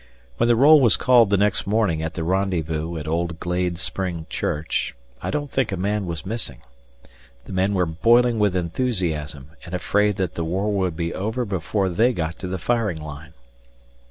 When the roll was called the next morning at the rendezvous at old Glade Spring Church, I don't think a man was missing. The men were boiling with enthusiasm and afraid that the war would be over before they got to the firing line.